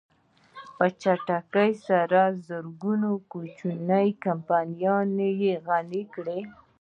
په چټکۍ سره زرګونه کوچنۍ کمپنۍ يې غني کړې.